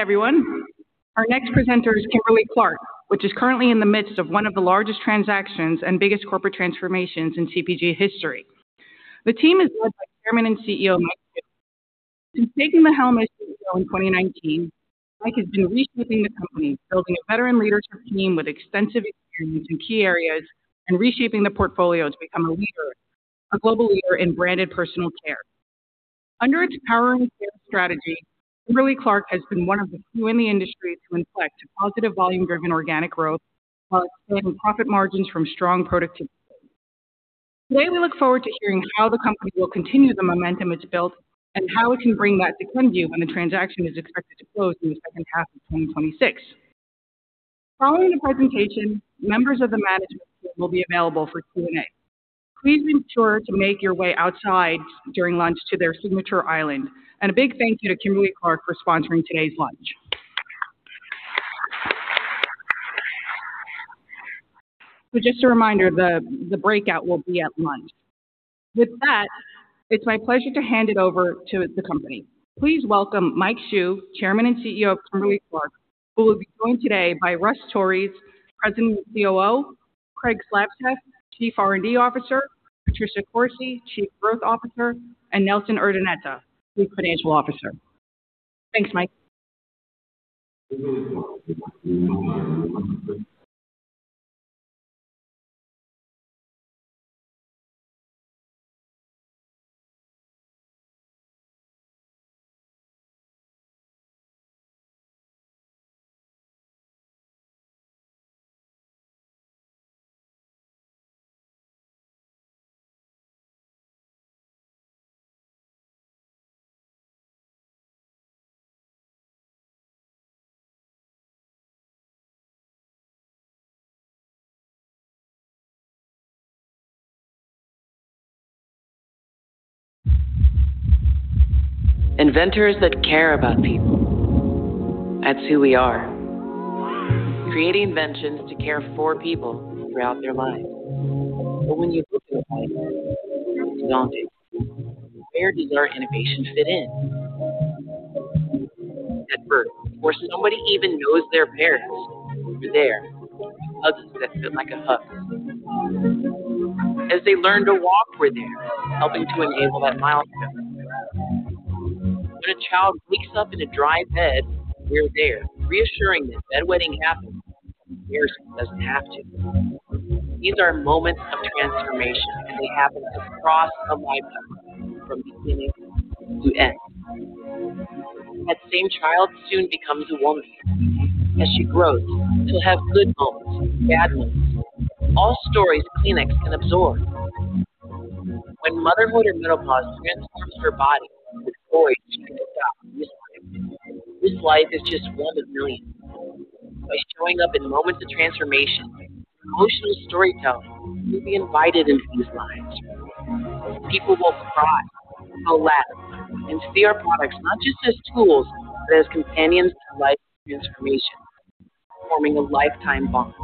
Hi, everyone. Our next presenter is Kimberly-Clark, which is currently in the midst of one of the largest transactions and biggest corporate transformations in CPG history. The team is led by Chairman and CEO, Mike Hsu. Since taking the helm as CEO in 2019, Mike has been reshaping the company, building a veteran leadership team with extensive experience in key areas, and reshaping the portfolio to become a leader, a global leader in branded personal care. Under its Powering Care strategy, Kimberly-Clark has been one of the few in the industry to inflect positive volume-driven organic growth while expanding profit margins from strong productivity. Today, we look forward to hearing how the company will continue the momentum it's built and how it can bring that to Kenvue when the transaction is expected to close in the second half of 2026. Following the presentation, members of the management team will be available for Q&A. Please ensure to make your way outside during lunch to their signature island. And a big thank you to Kimberly-Clark for sponsoring today's lunch. So just a reminder, the breakout will be at lunch. With that, it's my pleasure to hand it over to the company. Please welcome Mike Hsu, Chairman and CEO of Kimberly-Clark, who will be joined today by Russ Torres, President and COO, Craig Slavtcheff, Chief R&D Officer, Patricia Corsi, Chief Growth Officer, and Nelson Urdaneta, Chief Financial Officer. Thanks, Mike. Inventors that care about people, that's who we are. Creating inventions to care for people throughout their lives. But when you look at life, where does our innovation fit in? At birth, where nobody even knows they're parents, we're there with Huggies that feel like a hug. As they learn to walk, we're there, helping to enable that milestone. When a child wakes up in a dry bed, we're there, reassuring that bedwetting happens, but embarrassment doesn't have to. These are moments of transformation, and they happen across a lifetime from beginning to end. That same child soon becomes a woman. As she grows, she'll have good moments and bad ones, all stories Kleenex can absorb. When motherhood and menopause transforms her body, with she can adapt with life. This life is just one of millions. By showing up in moments of transformation, emotional storytelling, we'll be invited into these lives. People will thrive, laugh, and see our products not just as tools, but as companions to life transformation, forming a lifetime bond.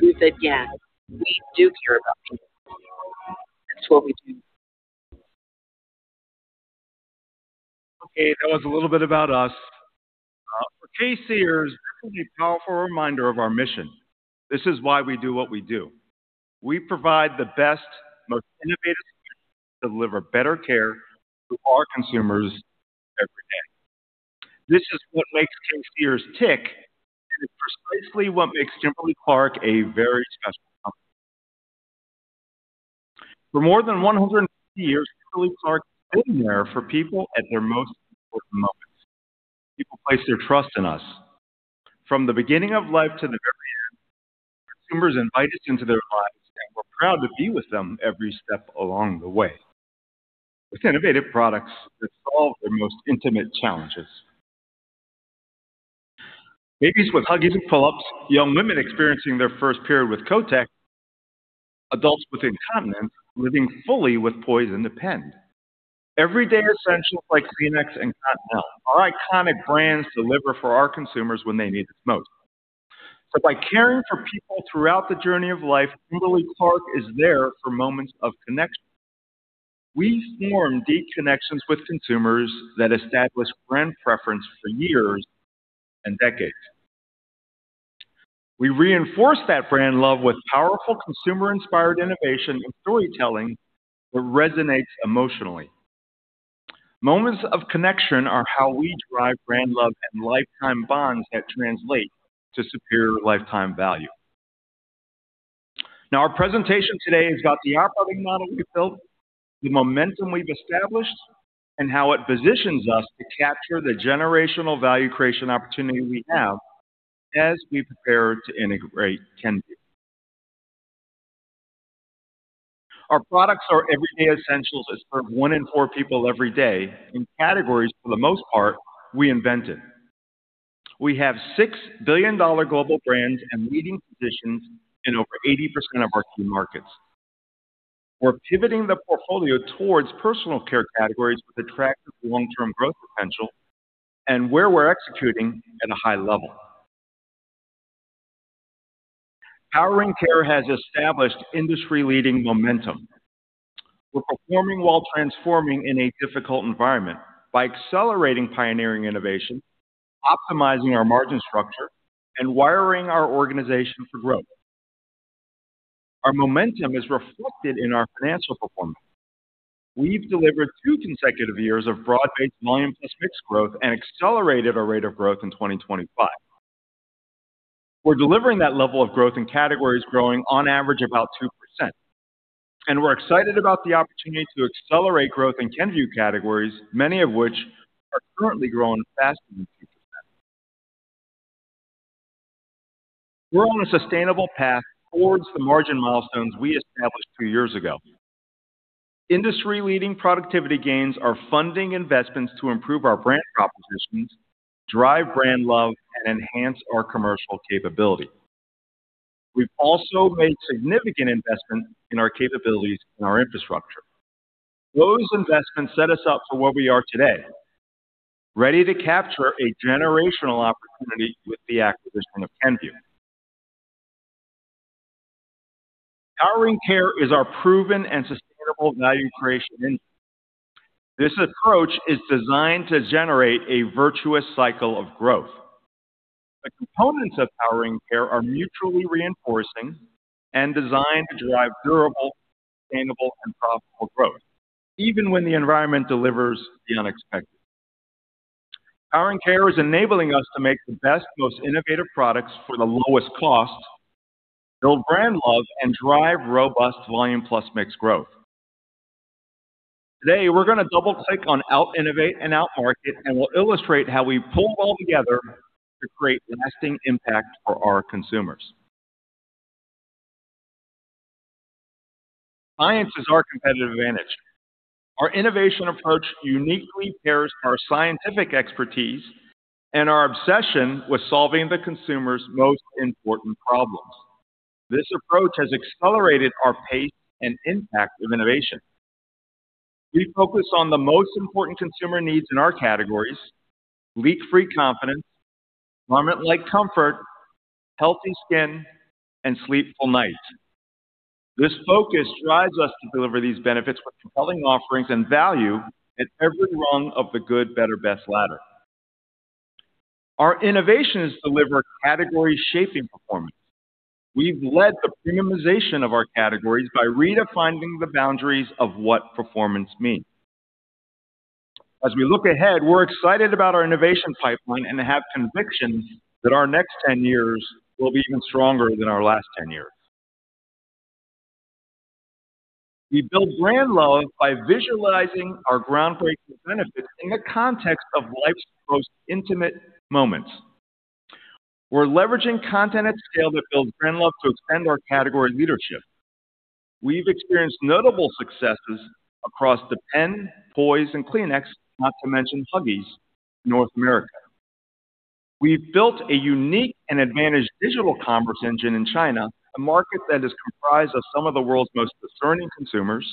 We said, "Yeah, we do care about people. That's what we do. Okay, that was a little bit about us. For K-C'ers, this is a powerful reminder of our mission. This is why we do what we do. We provide the best, most innovative solutions to deliver better care to our consumers every day. This is what makes K-C'ers tick, and it's precisely what makes Kimberly-Clark a very special company. For more than 150 years, Kimberly-Clark has been there for people at their most important moments. People place their trust in us. From the beginning of life to the very end, consumers invite us into their lives, and we're proud to be with them every step along the way with innovative products that solve their most intimate challenges. Babies with Huggies Pull-Ups, young women experiencing their first period with Kotex, adults with incontinence, living fully with Poise and Depend. Everyday essentials like Kleenex and Cottonelle, our iconic brands deliver for our consumers when they need it most. So by caring for people throughout the journey of life, Kimberly-Clark is there for moments of connection. We form deep connections with consumers that establish brand preference for years and decades. We reinforce that brand love with powerful, consumer-inspired innovation and storytelling that resonates emotionally. Moments of connection are how we drive brand love and lifetime bonds that translate to superior lifetime value. Now, our presentation today is about the operating model we've built, the momentum we've established, and how it positions us to capture the generational value creation opportunity we have as we prepare to integrate Kenvue. Our products are everyday essentials that serve one in four people every day in categories, for the most part, we invented. We have $6 billion global brands and leading positions in over 80% of our key markets. We're pivoting the portfolio towards personal care categories with attractive long-term growth potential and where we're executing at a high level. Powering Care has established industry-leading momentum. We're performing while transforming in a difficult environment by accelerating pioneering innovation, optimizing our margin structure, and wiring our organization for growth. Our momentum is reflected in our financial performance. We've delivered two consecutive years of broad-based volume plus mix growth and accelerated our rate of growth in 2025. We're delivering that level of growth in categories growing on average about 2%, and we're excited about the opportunity to accelerate growth in Kenvue categories, many of which are currently growing faster than 2%. We're on a sustainable path towards the margin milestones we established two years ago. Industry-leading productivity gains are funding investments to improve our brand propositions, drive brand love, and enhance our commercial capability. We've also made significant investments in our capabilities and our infrastructure. Those investments set us up for where we are today, ready to capture a generational opportunity with the acquisition of Kenvue. Powering Care is our proven and sustainable value creation engine. This approach is designed to generate a virtuous cycle of growth. The components of Powering Care are mutually reinforcing and designed to drive durable, sustainable, and profitable growth, even when the environment delivers the unexpected. Powering Care is enabling us to make the best, most innovative products for the lowest cost, build brand love, and drive robust volume plus mix growth. Today, we're going to double-click on out-innovate and out-market, and we'll illustrate how we pull them all together to create lasting impact for our consumers. Science is our competitive advantage. Our innovation approach uniquely pairs our scientific expertise and our obsession with solving the consumer's most important problems. This approach has accelerated our pace and impact of innovation. We focus on the most important consumer needs in our categories: leak-free confidence, garment-like comfort, healthy skin, and sleep full night. This focus drives us to deliver these benefits with compelling offerings and value at every rung of the good, better, best ladder. Our innovation has delivered category-shaping performance. We've led the premiumization of our categories by redefining the boundaries of what performance means. As we look ahead, we're excited about our innovation pipeline and have conviction that our next 10 years will be even stronger than our last 10 years. We build brand love by visualizing our groundbreaking benefits in the context of life's most intimate moments. We're leveraging content at scale that builds brand love to extend our category leadership. We've experienced notable successes across Depend, Poise, and Kleenex, not to mention Huggies in North America. We've built a unique and advantaged digital commerce engine in China, a market that is comprised of some of the world's most discerning consumers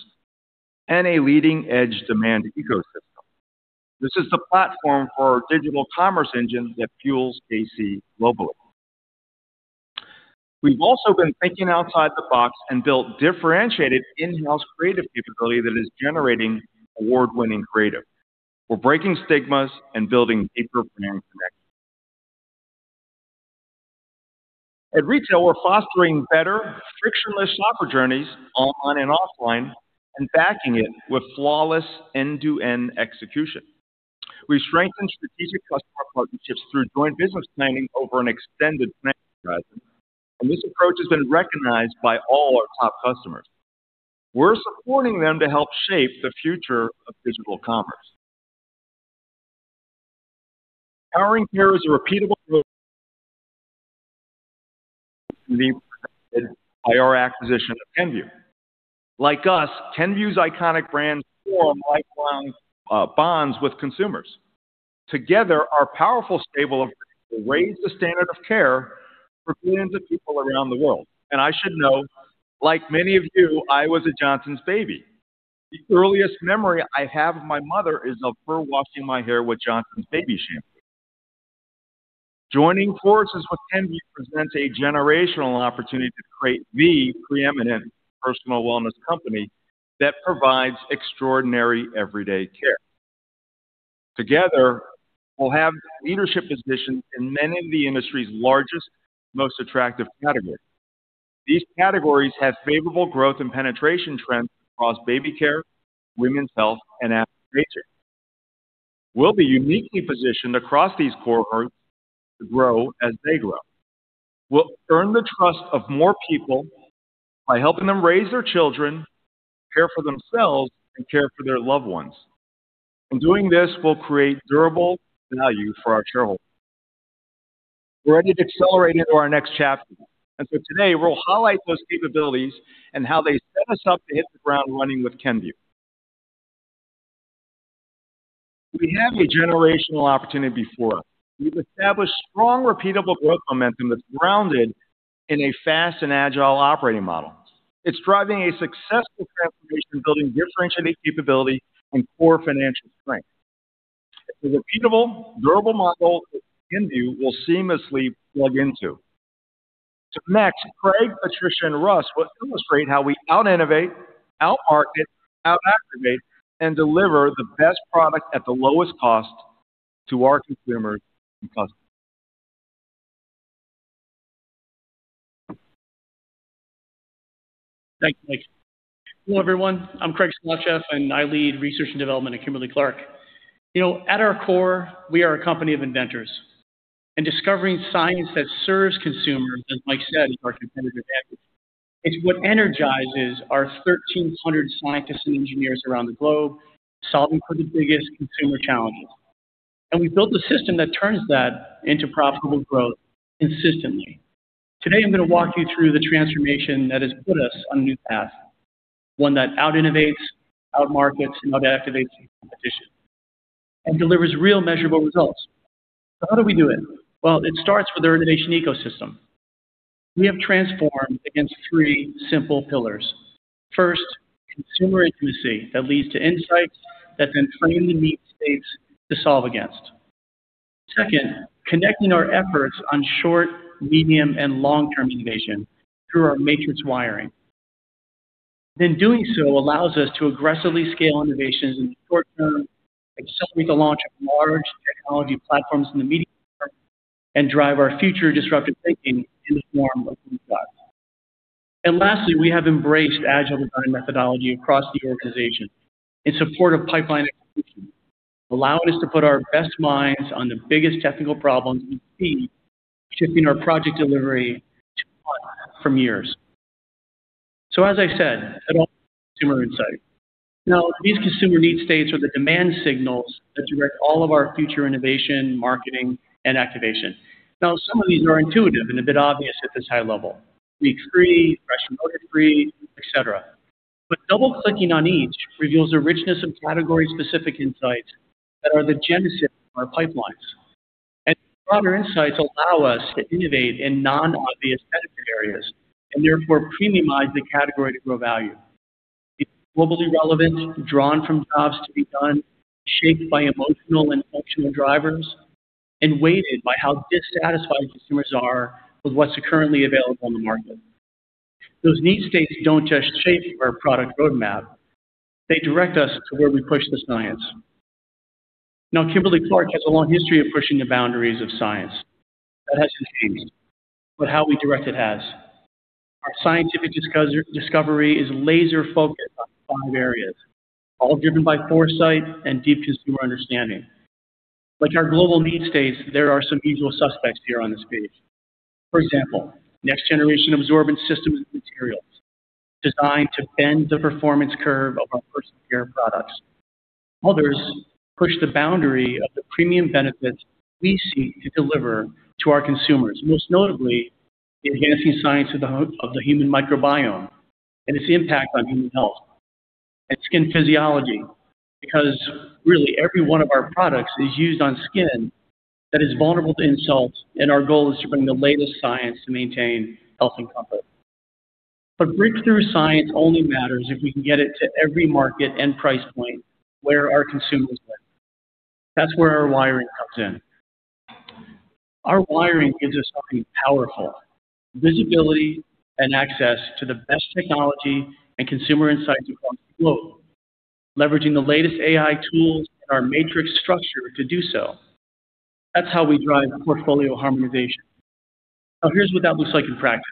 and a leading-edge demand ecosystem. This is the platform for our digital commerce engine that fuels KC globally. We've also been thinking outside the box and built differentiated in-house creative capability that is generating award-winning creative. We're breaking stigmas and building deeper brand connections. At retail, we're fostering better, frictionless shopper journeys, online and offline, and backing it with flawless end-to-end execution. We've strengthened strategic customer partnerships through joint business planning over an extended planning horizon, and this approach has been recognized by all our top customers. We're supporting them to help shape the future of physical commerce. Powering Care is a repeatable growth by our acquisition of Kenvue. Like us, Kenvue's iconic brands form lifelong, bonds with consumers. Together, our powerful stable of brands will raise the standard of care for billions of people around the world. And I should know, like many of you, I was a Johnson's baby. The earliest memory I have of my mother is of her washing my hair with Johnson's Baby Shampoo. Joining forces with Kenvue presents a generational opportunity to create the preeminent personal wellness company that provides extraordinary everyday care. Together, we'll have leadership positions in many of the industry's largest, most attractive categories. These categories have favorable growth and penetration trends across baby care, women's health, and active nature. We'll be uniquely positioned across these core groups to grow as they grow. We'll earn the trust of more people by helping them raise their children, care for themselves, and care for their loved ones. In doing this, we'll create durable value for our shareholders. We're ready to accelerate into our next chapter, and so today, we'll highlight those capabilities and how they set us up to hit the ground running with Kenvue. We have a generational opportunity before us. We've established strong, repeatable growth momentum that's grounded in a fast and agile operating model. It's driving a successful transformation, building differentiated capability and core financial strength.... It's a repeatable, durable model that Kenvue will seamlessly plug into. So next, Craig, Patricia, and Russ will illustrate how we out-innovate, out-market, out-activate, and deliver the best product at the lowest cost to our consumers and customers. Thanks, Mike. Hello, everyone. I'm Craig Slavtcheff, and I lead research and development at Kimberly-Clark. You know, at our core, we are a company of inventors, and discovering science that serves consumers, as Mike said, is our competitive advantage. It's what energizes our 1,300 scientists and engineers around the globe, solving for the biggest consumer challenges. And we've built a system that turns that into profitable growth consistently. Today, I'm going to walk you through the transformation that has put us on a new path, one that out-innovates, out-markets, and out-activates the competition, and delivers real, measurable results. So how do we do it? Well, it starts with our innovation ecosystem. We have transformed against three simple pillars. First, consumer intimacy that leads to insights that then frame the need states to solve against. Second, connecting our efforts on short, medium, and long-term innovation through our matrix wiring. Then doing so allows us to aggressively scale innovations in the short term, accelerate the launch of large technology platforms in the medium term, and drive our future disruptive thinking in the form of moonshots. And lastly, we have embraced agile design methodology across the organization in support of pipeline execution, allowing us to put our best minds on the biggest technical problems we see, shifting our project delivery to months from years. So, as I said, it's all consumer insight. Now, these consumer need states are the demand signals that direct all of our future innovation, marketing, and activation. Now, some of these are intuitive and a bit obvious at this high level. Leak-free, fresh and odor-free, etc. But double-clicking on each reveals a richness of category-specific insights that are the genesis of our pipelines. Broader insights allow us to innovate in non-obvious category areas and therefore premiumize the category to grow value. It's globally relevant, drawn from jobs to be done, shaped by emotional and functional drivers, and weighted by how dissatisfied consumers are with what's currently available in the market. Those need states don't just shape our product roadmap. They direct us to where we push the science. Now, Kimberly-Clark has a long history of pushing the boundaries of science. That hasn't changed, but how we direct it has. Our scientific discovery is laser-focused on five areas, all driven by foresight and deep consumer understanding. Like our global need states, there are some usual suspects here on this page. For example, next-generation absorbent systems and materials designed to bend the performance curve of our personal care products. Others push the boundary of the premium benefits we seek to deliver to our consumers, most notably the advancing science of the human microbiome and its impact on human health and skin physiology. Because really, every one of our products is used on skin that is vulnerable to insults, and our goal is to bring the latest science to maintain health and comfort. But breakthrough science only matters if we can get it to every market and price point where our consumers live. That's where our wiring comes in. Our wiring gives us something powerful, visibility and access to the best technology and consumer insights across the globe, leveraging the latest AI tools and our matrix structure to do so. That's how we drive portfolio harmonization. Now, here's what that looks like in practice.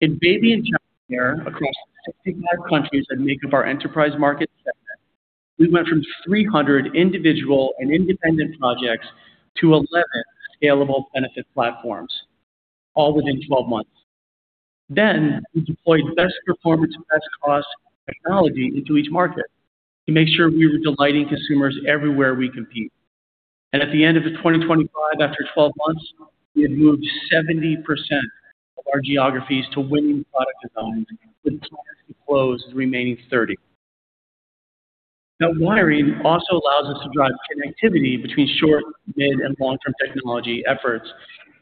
In baby and childcare, across the 55 countries that make up our enterprise market segment, we went from 300 individual and independent projects to 11 scalable benefit platforms, all within 12 months. Then we deployed best performance and best cost technology into each market to make sure we were delighting consumers everywhere we compete. And at the end of 2025, after 12 months, we had moved 70% of our geographies to winning product designs, with plans to close the remaining 30. That wiring also allows us to drive connectivity between short, mid, and long-term technology efforts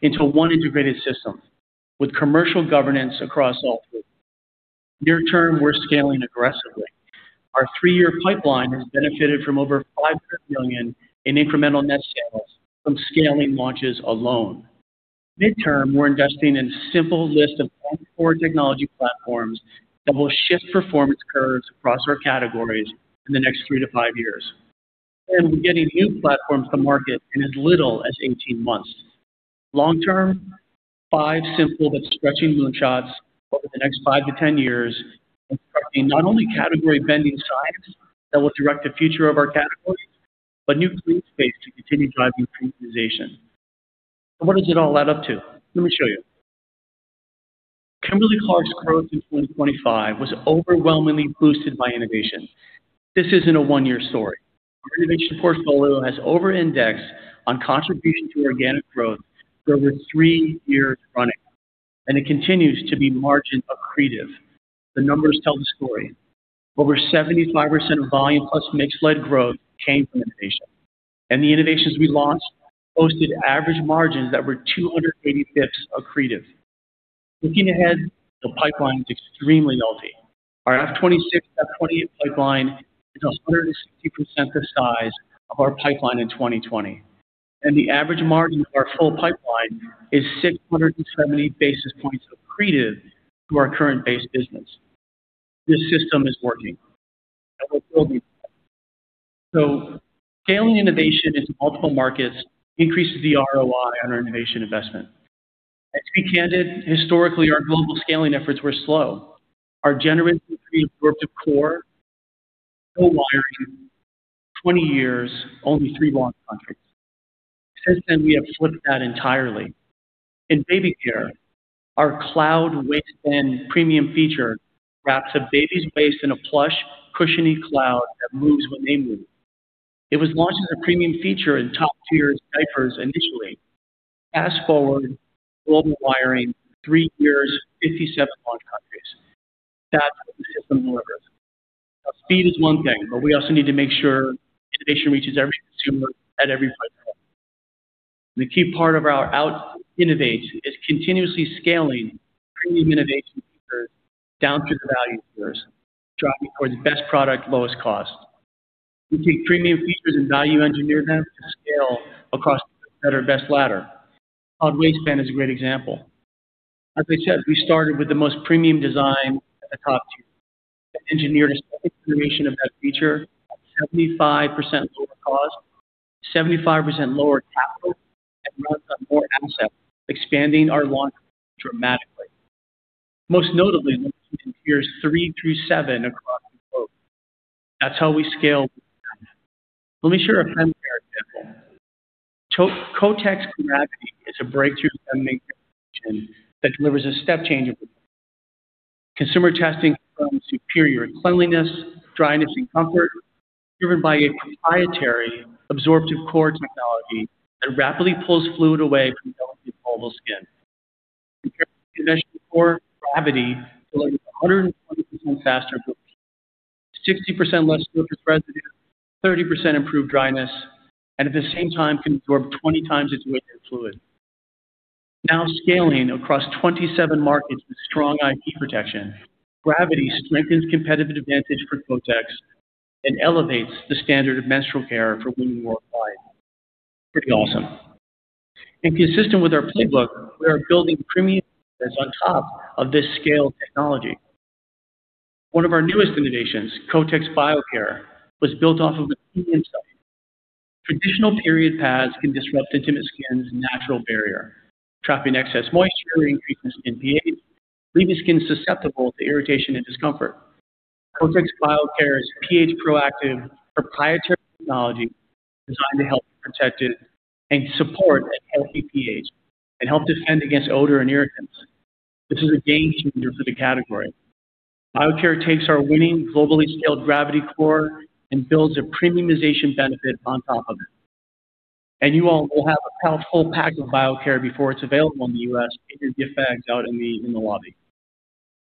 into one integrated system with commercial governance across all three. Near term, we're scaling aggressively. Our three-year pipeline has benefited from over $500 million in incremental net sales from scaling launches alone. Midterm, we're investing in a simple list of four technology platforms that will shift performance curves across our categories in the next three to five years, and we're getting new platforms to market in as little as 18 months. Long-term, five simple but stretching moonshots over the next five to 10 years, constructing not only category-bending science that will direct the future of our categories, but new green space to continue driving premiumization. What does it all add up to? Let me show you. Kimberly-Clark's growth in 2025 was overwhelmingly boosted by innovation. This isn't a one-year story. Our innovation portfolio has overindexed on contribution to organic growth for over three years running, and it continues to be margin accretive. The numbers tell the story. Over 75% of volume plus mix-led growth came from innovation, and the innovations we launched posted average margins that were 285 basis points accretive. Looking ahead, the pipeline is extremely healthy. Our FY 2026, FY 2028 pipeline is 160% the size of our pipeline in 2020, and the average margin of our full pipeline is 670 basis points accretive to our current base business. This system is working, and will build. So scaling innovation in multiple markets increases the ROI on our innovation investment. And to be candid, historically, our global scaling efforts were slow. Our generous absorptive core, worldwide, 20 years, only three launch countries. Since then, we have flipped that entirely. In Baby care, our Cloud Waistband premium feature wraps a baby's waist in a plush, cushiony cloud that moves when they move. It was launched as a premium feature in top-tier diapers initially. Fast forward, global wiring, three years, 57 launch countries. That's what the system delivers. Now, speed is one thing, but we also need to make sure innovation reaches every consumer at every price point. The key part of our out-innovate is continuously scaling premium innovation features down through the value tiers, driving towards best product, lowest cost. We take premium features and value engineer them to scale across better, best ladder. Cloud Waistband is a great example. As I said, we started with the most premium design at the top tier, engineered information of that feature, at 75% lower cost, 75% lower capital, and more asset, expanding our launch dramatically. Most notably, in years three through seven across the globe. That's how we scale. Let me share a example. Kotex Gravity is a breakthrough that delivers a step change. Consumer testing superior cleanliness, dryness, and comfort, driven by a proprietary absorptive core technology that rapidly pulls fluid away from delicate global skin. Compare core gravity, 120% faster, 60% less fluid residue, 30% improved dryness, and at the same time, can absorb 20 times its weight in fluid. Now scaling across 27 markets with strong IP protection, Gravity strengthens competitive advantage for Kotex and elevates the standard of menstrual care for women worldwide. Pretty awesome. Consistent with our playbook, we are building premium on top of this scale technology. One of our newest innovations, Kotex Bio-care, was built off of traditional period pads can disrupt intimate skin's natural barrier, trapping excess moisture, increasing pH, leaving skin susceptible to irritation and discomfort. Kotex Bio-care's pH-proactive, proprietary technology designed to help protect it and support a healthy pH and help defend against odor and irritants. This is a game-changer for the category. Biocare takes our winning, globally scaled Gravity core and builds a premiumization benefit on top of it. You all will have a full pack of Bio-care before it's available in the U.S., in effect, out in the lobby.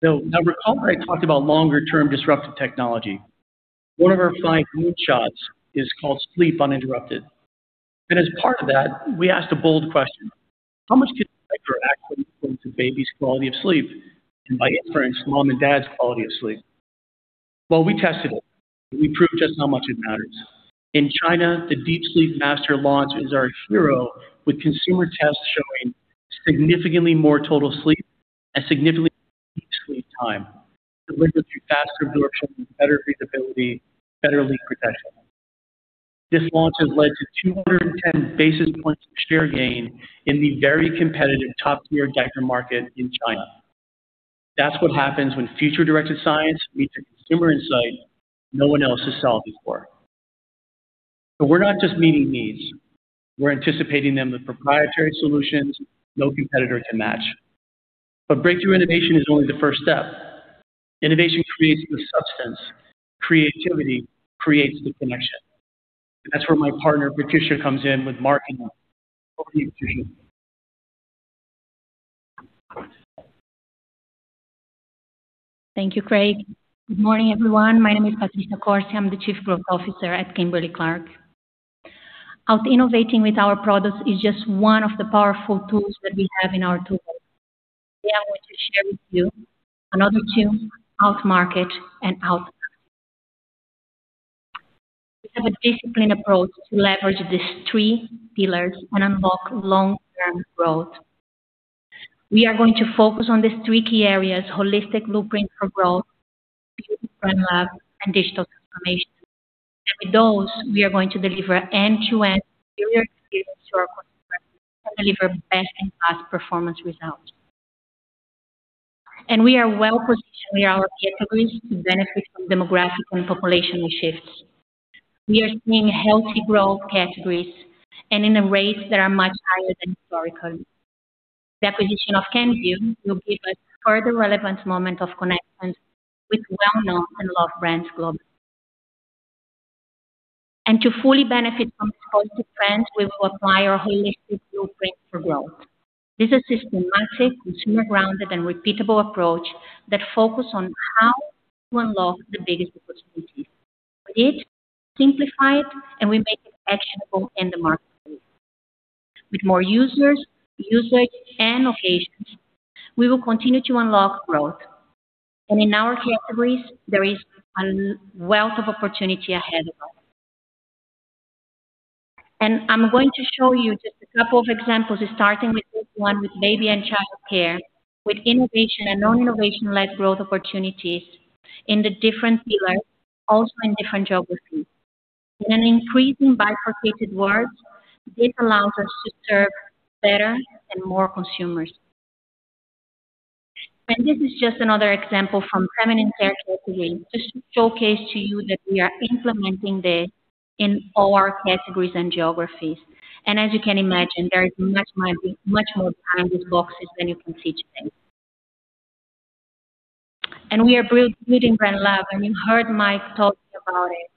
So now, remember I talked about longer-term disruptive technology. One of our five moonshots is called Sleep Uninterrupted, and as part of that, we asked a bold question: How much could diaper actually improve the baby's quality of sleep, and by inference, mom and dad's quality of sleep? Well, we tested it. We proved just how much it matters. In China, the Deep Sleep Master launch is our hero, with consumer tests showing significantly more total sleep and significantly deep sleep time, delivered through faster absorption, better breathability, better leak protection. This launch has led to 210 basis points of share gain in the very competitive top-tier diaper market in China. That's what happens when future-directed science meets a consumer insight no one else has solved before. But we're not just meeting needs, we're anticipating them with proprietary solutions, no competitor to match. But breakthrough innovation is only the first step. Innovation creates the substance, creativity creates the connection. That's where my partner, Patricia, comes in with marketing. Over to you, Patricia. Thank you, Craig. Good morning, everyone. My name is Patricia Corsi. I'm the Chief Growth Officer at Kimberly-Clark. Out-innovating with our products is just one of the powerful tools that we have in our toolbox. Today, I want to share with you another two, out-market and out-activate. We have a disciplined approach to leverage these three pillars and unlock long-term growth. We are going to focus on these three key areas: Holistic blueprint for growth, Brand lab, and Digital transformation. With those, we are going to deliver end-to-end superior experience to our customers and deliver best-in-class performance results. We are well-positioned in our categories to benefit from demographic and population shifts. We are seeing healthy growth categories and in the rates that are much higher than historical. The acquisition of Kenvue will give us further relevance, moment of connections with well-known and loved brands globally. To fully benefit from positive trends, we will apply our Holistic blueprint for growth. This is a systematic, consumer-grounded, and repeatable approach that focus on how to unlock the biggest opportunities.... it, simplify it, and we make it actionable in the marketplace. With more users, usage, and locations, we will continue to unlock growth. And in our categories, there is a wealth of opportunity ahead of us. And I'm going to show you just a couple of examples, starting with this one with baby and childcare, with innovation and non-innovation-led growth opportunities in the different pillars, also in different geographies. In an increasing bifurcated world, this allows us to serve better and more consumers. And this is just another example from feminine care category, just to showcase to you that we are implementing this in all our categories and geographies. And as you can imagine, there is much, much more behind these boxes than you can see today. And we are building brand love, and you heard Mike talk about it.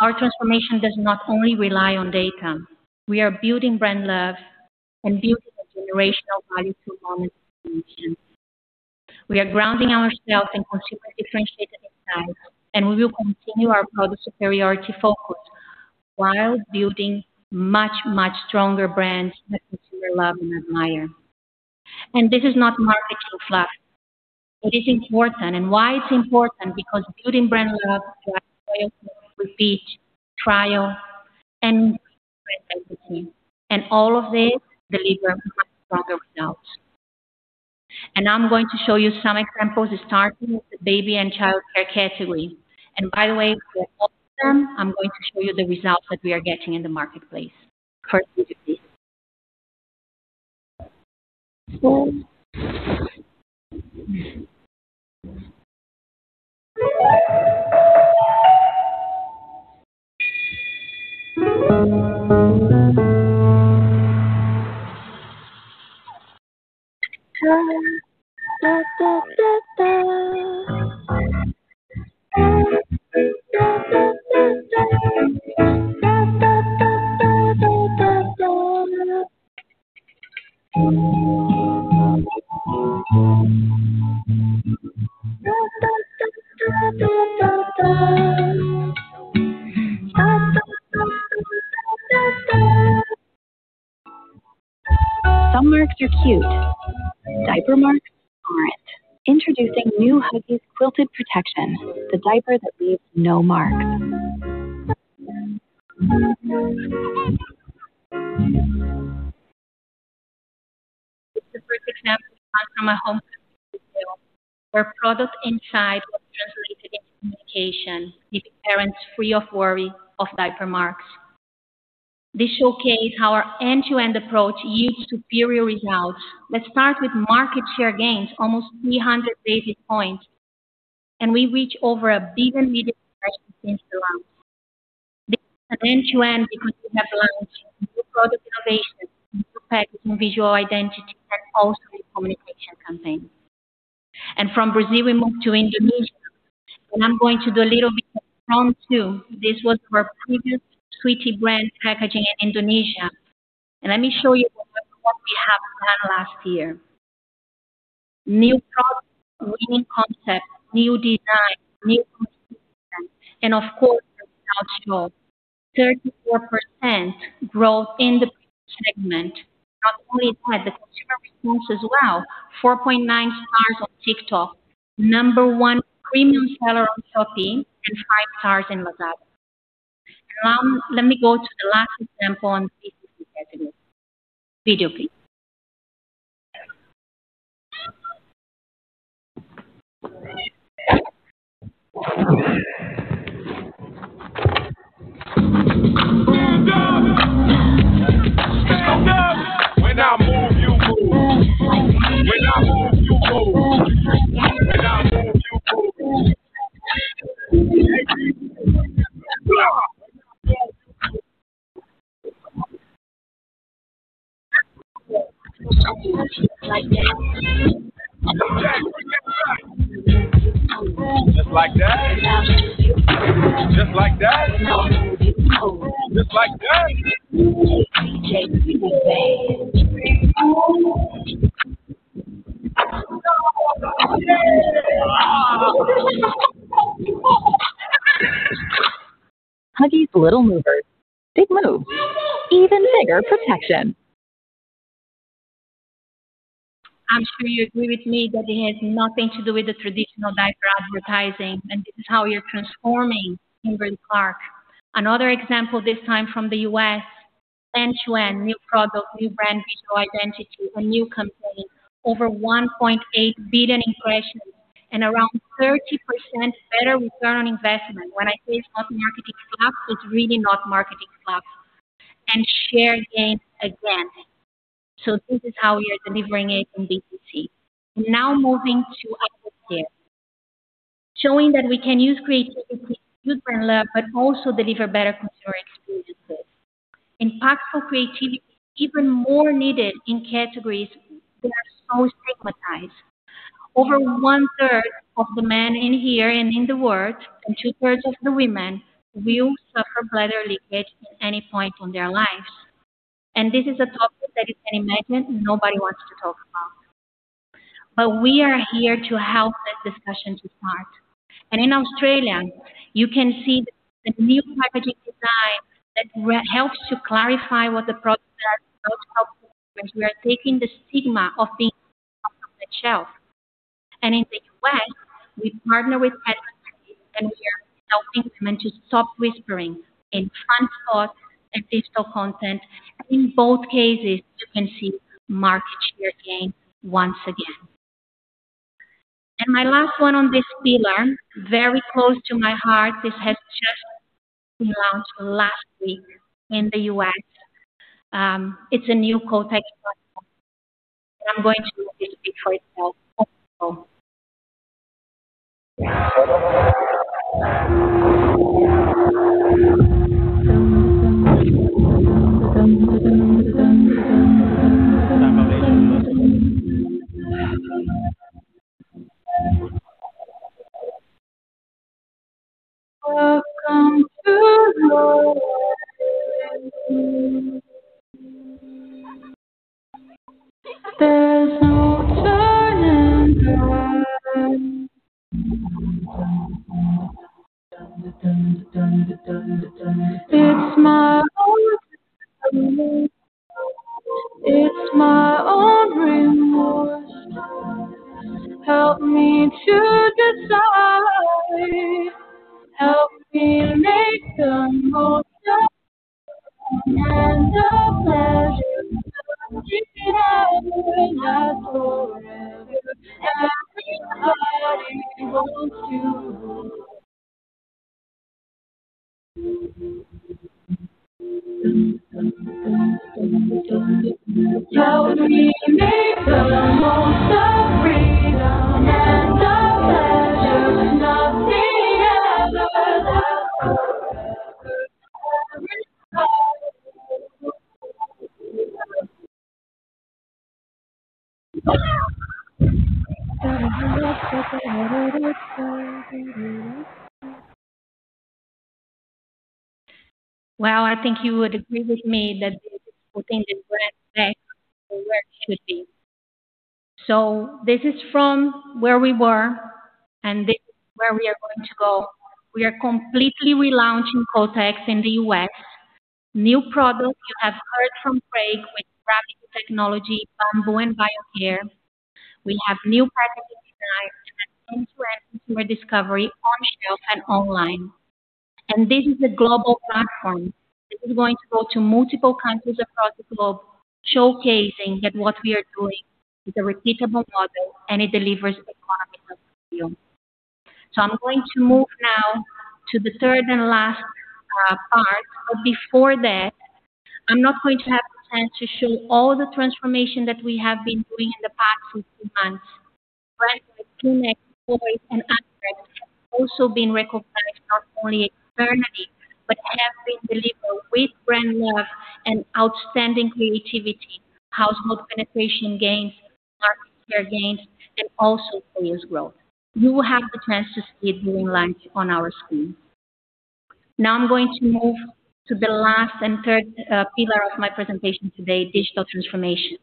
Our transformation does not only rely on data. We are building brand love and building a generational value for Walmart. We are grounding ourselves in consumer-differentiated insight, and we will continue our product superiority focus while building much, much stronger brands that consumer love and admire. And this is not marketing fluff. It is important. And why it's important? Because building brand love drives loyalty, repeat, trial, and brand advocacy, and all of this deliver much stronger results. And I'm going to show you some examples, starting with the baby and childcare category. And by the way, all of them, I'm going to show you the results that we are getting in the marketplace. Some marks are cute, diaper marks aren't. Introducing new Huggies Quilted Protection, the diaper that leaves no marks. It's a perfect example from our home where product insight was translated into communication, leaving parents free of worry of diaper marks. This showcases how our end-to-end approach yields superior results. Let's start with market share gains, almost 300 basis points, and we reach over 1 billion media since the launch. This is an end-to-end because we have launched new product innovation, new packaging, visual identity, and also the communication campaign. From Brazil, we moved to Indonesia, and I'm going to do a little bit of round two. This was our previous Sweety brand packaging in Indonesia. Let me show you what we have done last year. New product, winning concept, new design, new... And of course, the results show 34% growth in the segment. Not only that, the consumer response as well, 4.9 stars on TikTok, number one premium seller on Shopee, and 5 stars in Lazada. Now, let me go to the last example on BCC category. Video, please. Huggies Little Movers. Big moves, even bigger protection. I'm sure you agree with me that it has nothing to do with the traditional diaper advertising, and this is how you're transforming Kimberly-Clark. Another example, this time from the U.S. end-to-end, new product, new brand, visual identity, a new campaign, over 1.8 billion impressions, and around 30% better return on investment. When I say it's not marketing fluff, it's really not marketing fluff. And share gains again. So this is how we are delivering it in BCC. Now moving to adult care, showing that we can use creativity to build brand love, but also deliver better consumer experiences. Impactful creativity, even more needed in categories that are so stigmatized. Over 1/3 of the men in here and in the world, and 2/3 of the women will suffer bladder leakage at any point in their lives. This is a topic that you can imagine nobody wants to talk about... But we are here to help that discussion to start. In Australia, you can see the new packaging design that helps to clarify what the product does; we are taking the stigma off the shelf. In the U.S., we partner with, and we are helping women to stop whispering in transit and digital content. In both cases, you can see market share gain once again. My last one on this pillar, very close to my heart, this has just been launched last week in the U.S. It's a new Kotex. I'm going to let you see for yourself. Well, I think you would agree with me that putting this back where it should be. This is from where we were, and this is where we are going to go. We are completely relaunching Kotex in the U.S. New product, you have heard from Craig, with Gravity technology, bamboo, and Bio-care. We have new packaging design, end-to-end consumer discovery on shelf and online. This is a global platform. This is going to go to multiple countries across the globe, showcasing that what we are doing is a repeatable model and it delivers economic value. So I'm going to move now to the third and last part, but before that, I'm not going to have the chance to show all the transformation that we have been doing in the past 15 months. Next, Boy, and Upfront have also been recognized not only externally, but have been delivered with brand love and outstanding creativity, household penetration gains, market share gains, and also sales growth. You will have the chance to see it during lunch on our screen. Now, I'm going to move to the last and third pillar of my presentation today, digital transformation.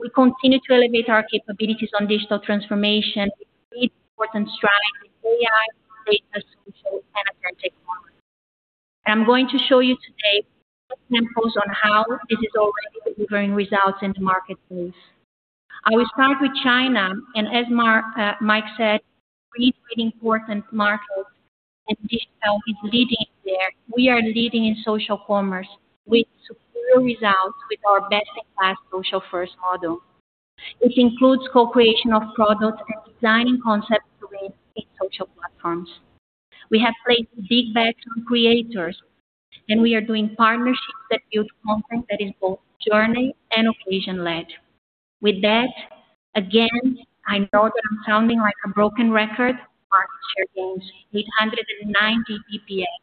We continue to elevate our capabilities on digital transformation, with important strategies, AI, data, social, and authentic format. I'm going to show you today examples on how this is already delivering results in the marketplace. I will start with China, and as Mike said, really important market, and digital is leading there. We are leading in social commerce with superior results, with our best-in-class social-first model. This includes co-creation of products and designing concepts in social platforms. We have placed big bets on creators, and we are doing partnerships that build content that is both journey and occasion-led. With that, again, I know that I'm sounding like a broken record, market share gains, with 190 basis points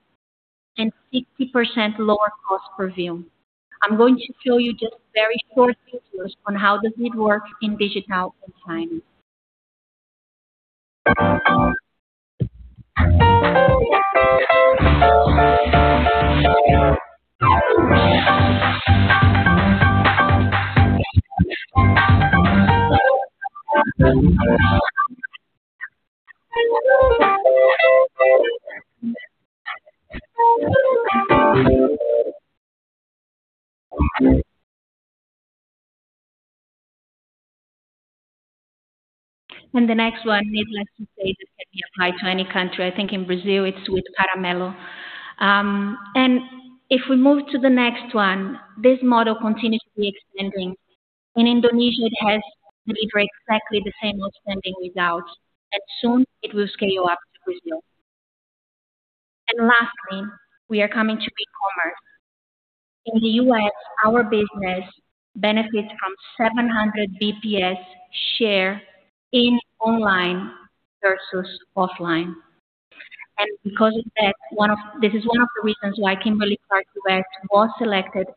and 60% lower cost per view. I'm going to show you just very short videos on how does it work in digital and China. And the next one, needless to say, that can be applied to any country. I think in Brazil it's with Caramelo. And if we move to the next one, this model continues to be expanding. In Indonesia, it has delivered exactly the same outstanding results, and soon it will scale up to Brazil. And lastly, we are coming to e-commerce. In the U.S., our business benefits from 700 BPS share in online versus offline. And because of that, one of... this is one of the reasons why Kimberly-Clark West was selected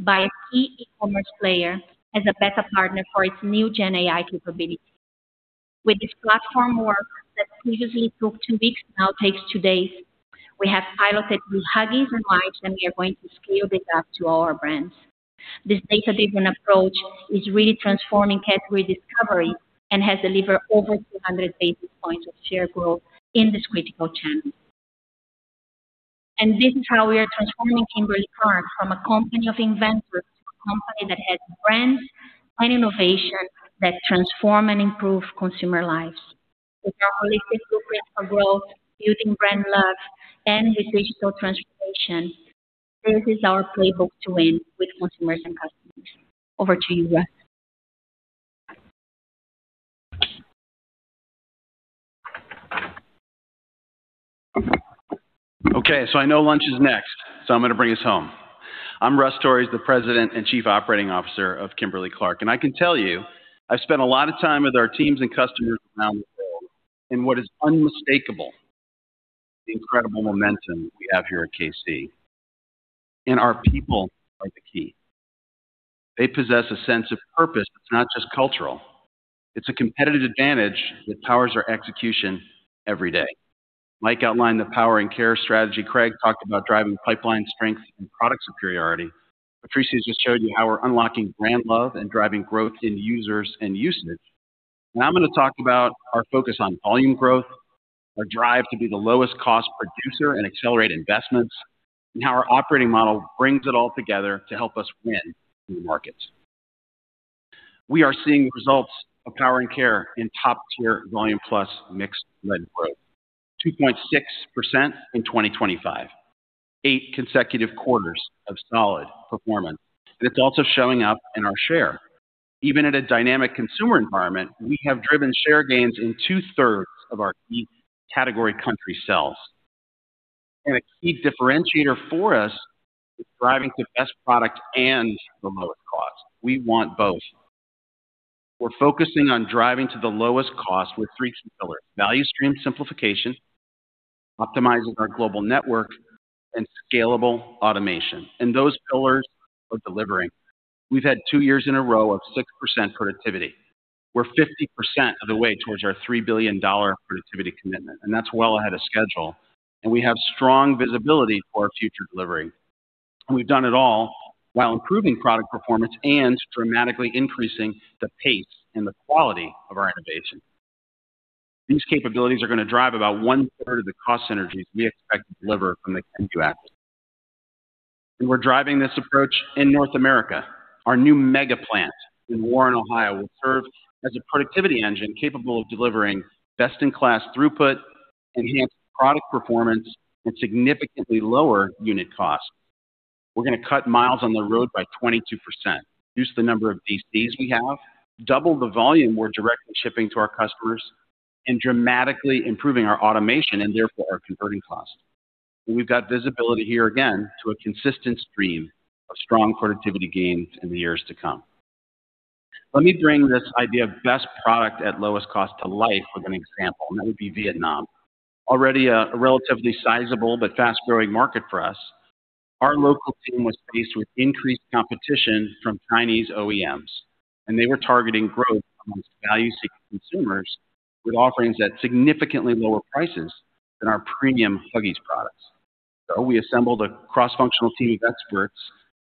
by a Key e-commerce player as a beta partner for its new Gen AI capability. With this platform work that previously took two weeks, now takes two days. We have piloted with Huggies and Lazada, and we are going to scale this up to all our brands. This data-driven approach is really transforming category discovery and has delivered over 200 basis points of share growth in this critical channel. And this is how we are transforming Kimberly-Clark from a company of inventors, to a company that has brands and innovation that transform and improve consumer lives. With our holistic blueprint for growth, building brand love, and with digital transformation, this is our playbook to win with consumers and customers. Over to you, Russ. Okay, so I know lunch is next, so I'm going to bring us home. I'm Russ Torres, the President and Chief Operating Officer of Kimberly-Clark, and I can tell you, I've spent a lot of time with our teams and customers around the world, and what is unmistakable, the incredible momentum we have here at KC, and our people are the key. They possess a sense of purpose that's not just cultural. It's a competitive advantage that powers our execution every day. Mike outlined the Powering Care strategy. Craig talked about driving pipeline strength and product superiority. Patricia just showed you how we're unlocking brand love and driving growth in users and usage. Now, I'm going to talk about our focus on volume growth, our drive to be the lowest cost producer and accelerate investments, and how our operating model brings it all together to help us win in the markets. We are seeing results of Powering Care in top-tier volume plus mix-led growth, 2.6% in 2025, eight consecutive quarters of solid performance. It's also showing up in our share. Even in a dynamic consumer environment, we have driven share gains in 2/3 of our key category country cells. A key differentiator for us is driving the best product and the lowest cost. We want both. We're focusing on driving to the lowest cost with three pillars: Value Stream Simplification, Optimizing our Global Network, and Scalable Automation. Those pillars are delivering. We've had two years in a row of 6% productivity. We're 50% of the way towards our $3 billion productivity commitment, and that's well ahead of schedule, and we have strong visibility for our future delivery. We've done it all while improving product performance and dramatically increasing the pace and the quality of our innovation. These capabilities are going to drive about 1/3 of the cost synergies we expect to deliver from the Kenvue asset. And we're driving this approach in North America. Our new Mega Plant in Warren, Ohio, will serve as a productivity engine capable of delivering best-in-class throughput, enhanced product performance, and significantly lower unit costs. We're going to cut miles on the road by 22%, reduce the number of DCs we have, double the volume we're directly shipping to our customers, and dramatically improving our automation and therefore our converting costs. We've got visibility here again to a consistent stream of strong productivity gains in the years to come. Let me bring this idea of best product at lowest cost to life with an example, and that would be Vietnam. Already a relatively sizable but fast-growing market for us, our local team was faced with increased competition from Chinese OEMs, and they were targeting growth amongst value-seeking consumers with offerings at significantly lower prices than our premium Huggies products. So we assembled a cross-functional team of experts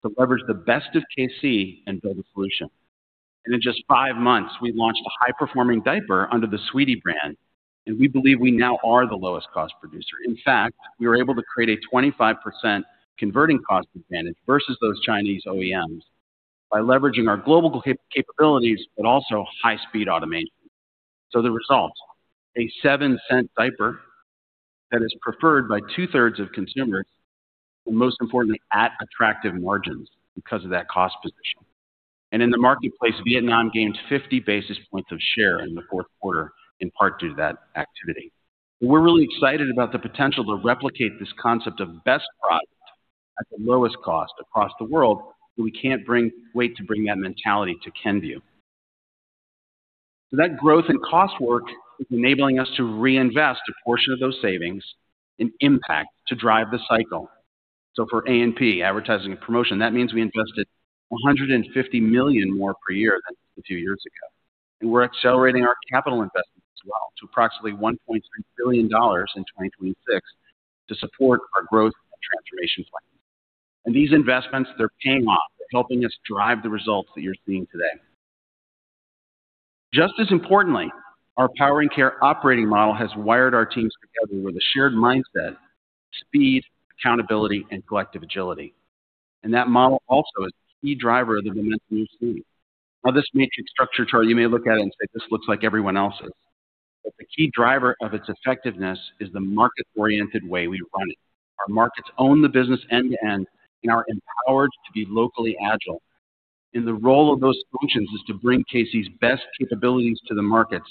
to leverage the best of KC and build a solution. And in just five months, we launched a high-performing diaper under the Sweety brand, and we believe we now are the lowest cost producer. In fact, we were able to create a 25% conversion cost advantage versus those Chinese OEMs by leveraging our global capabilities, but also high-speed automation. The results, a $0.07 diaper that is preferred by 2/3 of consumers, and most importantly, at attractive margins because of that cost position. In the marketplace, Vietnam gained 50 basis points of share in the fourth quarter, in part due to that activity. We're really excited about the potential to replicate this concept of best product at the lowest cost across the world, and we can't wait to bring that mentality to Kenvue. That growth and cost work is enabling us to reinvest a portion of those savings in impact to drive the cycle. For A&P, advertising and promotion, that means we invested $150 million more per year than we did two years ago. We're accelerating our capital investments as well to approximately $1.3 billion in 2026 to support our growth and transformation plan. These investments, they're paying off, helping us drive the results that you're seeing today. Just as importantly, our Powering Care operating model has wired our teams together with a shared mindset, speed, accountability, and collective agility. That model also is a key driver of the momentum you see. Now, this matrix structure chart, you may look at it and say, "This looks like everyone else's." But the key driver of its effectiveness is the market-oriented way we run it. Our markets own the business end-to-end and are empowered to be locally agile. The role of those functions is to bring KC's best capabilities to the markets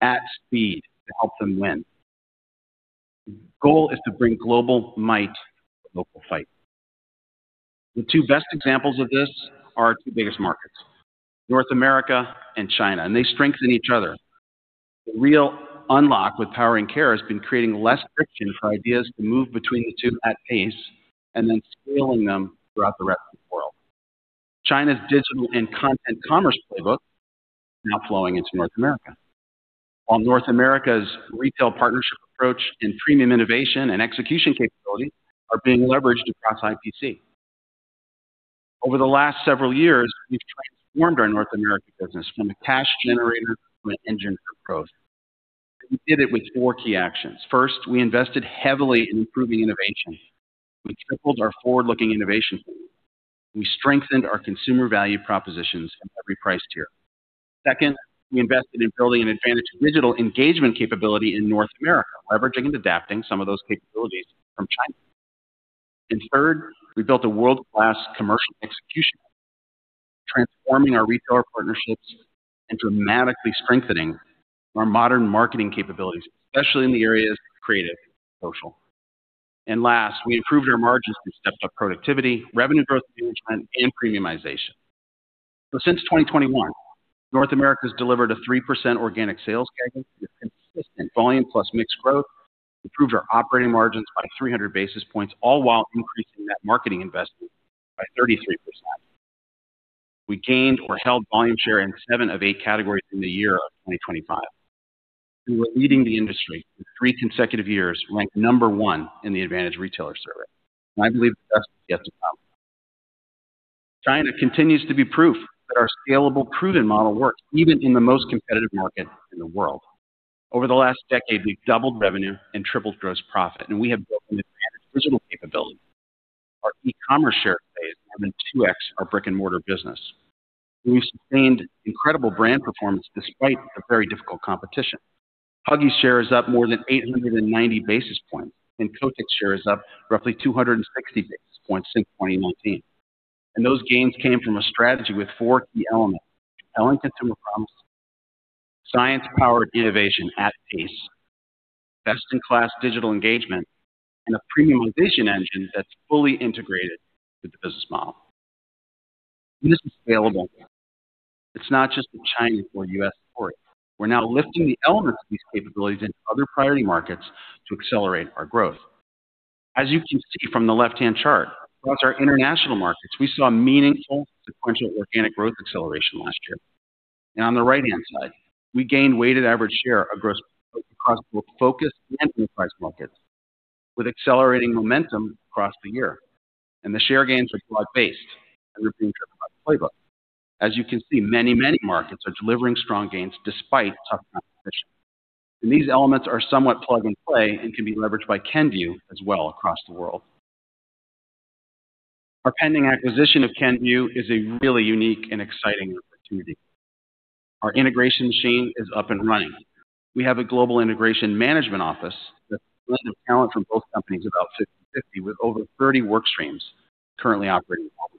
at speed to help them win. The goal is to bring global might to local fight. The two best examples of this are our two biggest markets, North America and China, and they strengthen each other. The real unlock with Powering Care has been creating less friction for ideas to move between the two at pace and then scaling them throughout the rest of the world....China's digital and content commerce playbook is now flowing into North America, while North America's retail partnership approach and premium innovation and execution capability are being leveraged across IPC. Over the last several years, we've transformed our North America business from a cash generator to an engine for growth. We did it with four key actions. First, we invested heavily in improving innovation. We tripled our forward-looking innovation. We strengthened our consumer value propositions in every price tier. Second, we invested in building an advantage of digital engagement capability in North America, leveraging and adapting some of those capabilities from China. And third, we built a world-class commercial execution, transforming our retailer partnerships and dramatically strengthening our modern marketing capabilities, especially in the areas of creative and social. And last, we improved our margins through stepped-up productivity, revenue growth management, and premiumization. So since 2021, North America has delivered a 3% organic sales CAGR with consistent volume plus mix growth, improved our operating margins by 300 basis points, all while increasing net marketing investment by 33%. We gained or held volume share in seven of eight categories in the year of 2025. We were leading the industry for three consecutive years, ranked number one in the Advantage Retailer Survey, and I believe the best is yet to come. China continues to be proof that our scalable, proven model works even in the most competitive market in the world. Over the last decade, we've doubled revenue and tripled gross profit, and we have built an advantage digital capability. Our e-commerce share today is more than 2x our brick-and-mortar business. We've sustained incredible brand performance despite a very difficult competition. Huggies share is up more than 890 basis points, and Kotex share is up roughly 260 basis points since 2019. Those gains came from a strategy with four key elements: relevant consumer promises, science-powered innovation at pace, best-in-class digital engagement, and a premiumization engine that's fully integrated with the business model. This is scalable. It's not just the China or U.S. story. We're now lifting the elements of these capabilities into other priority markets to accelerate our growth. As you can see from the left-hand chart, across our international markets, we saw meaningful sequential organic growth acceleration last year. On the right-hand side, we gained weighted average share across both focused and enterprise markets, with accelerating momentum across the year. The share gains are broad-based and are being driven by the playbook. As you can see, many, many markets are delivering strong gains despite tough competition. These elements are somewhat plug and play and can be leveraged by Kenvue as well across the world. Our pending acquisition of Kenvue is a really unique and exciting opportunity. Our integration machine is up and running. We have a Global Integration Management Office that talent from both companies, about 50/50, with over 30 work streams currently operating globally.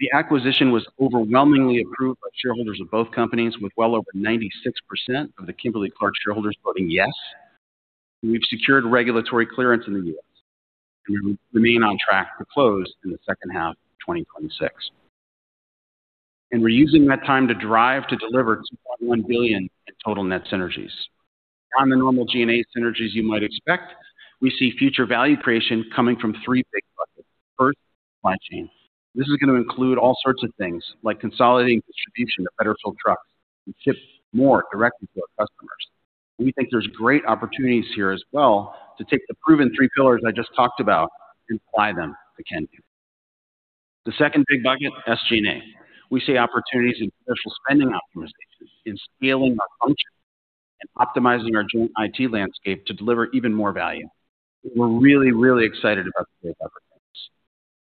The acquisition was overwhelmingly approved by shareholders of both companies, with well over 96% of the Kimberly-Clark shareholders voting yes. We've secured regulatory clearance in the U.S., and we remain on track to close in the second half of 2026. We're using that time to drive to deliver $2.1 billion in total net synergies. On the normal SG&A synergies you might expect, we see future value creation coming from three big buckets. First, supply chain. This is going to include all sorts of things, like consolidating distribution to better fill trucks and ship more directly to our customers. We think there's great opportunities here as well to take the proven three pillars I just talked about and apply them to Kenvue. The second big bucket, SG&A. We see opportunities in commercial spending optimizations, in scaling our functions, and optimizing our joint IT landscape to deliver even more value. We're really, really excited about the delivery of these.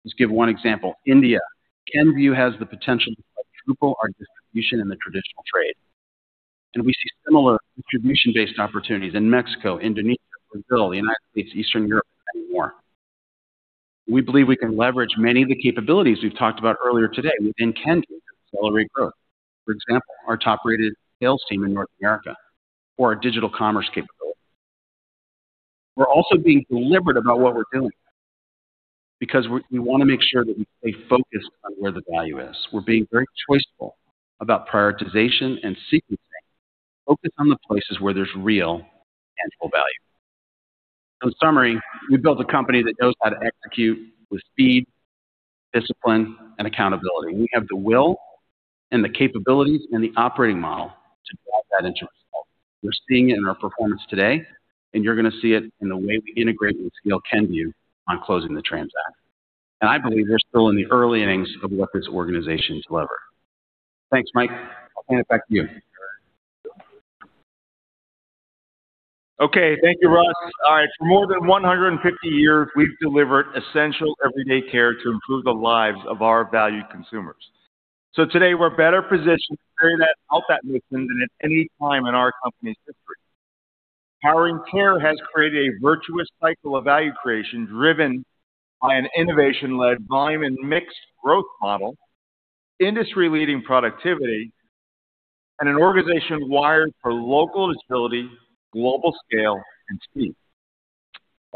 Let's give one example. India. Kenvue has the potential to triple our distribution in the traditional trade, and we see similar distribution-based opportunities in Mexico, Indonesia, Brazil, the United States, Eastern Europe, and more. We believe we can leverage many of the capabilities we've talked about earlier today within Kenvue to accelerate growth. For example, our top-rated sales team in North America or our digital commerce capability. We're also being deliberate about what we're doing because we wanna make sure that we stay focused on where the value is. We're being very choiceful about prioritization and sequencing, focused on the places where there's real, tangible value. In summary, we've built a company that knows how to execute with speed, discipline, and accountability. We have the will and the capabilities and the operating model to drive that into results. We're seeing it in our performance today, and you're going to see it in the way we integrate and scale Kenvue on closing the transaction. And I believe we're still in the early innings of what this organization can deliver. Thanks, Mike. I'll hand it back to you. Okay. Thank you, Russ. All right. For more than 150 years, we've delivered essential everyday care to improve the lives of our valued consumers. So today, we're better positioned to carry that out that mission than at any time in our company's history. Powering Care has created a virtuous cycle of value creation, driven by an innovation-led volume and mix growth model, industry-leading productivity, and an organization wired for local agility, global scale, and speed.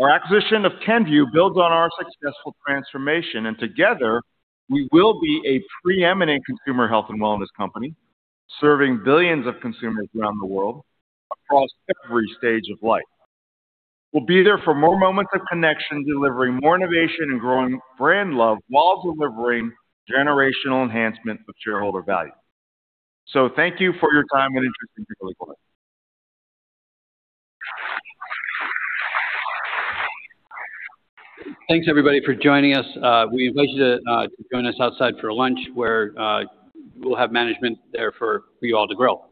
Our acquisition of Kenvue builds on our successful transformation, and together, we will be a preeminent consumer health and wellness company, serving billions of consumers around the world across every stage of life. We'll be there for more moments of connection, delivering more innovation and growing brand love while delivering generational enhancement of shareholder value. So thank you for your time and interest in Kimberly-Clark. Thanks, everybody, for joining us. We invite you to join us outside for lunch, where we'll have management there for you all to grill.